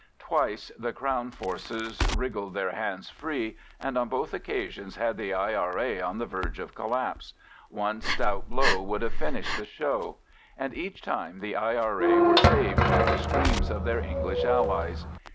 Twice the Crown forces wriggled their hands free, and on both occasions had the I.R.A. on the verge of collapse: one stout blow would have finished the show. And each time the I.R.A. were saved by the screams of their English allies.